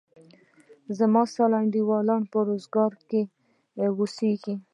زما سل انډيوالان په روزګان کښي اوسيږي.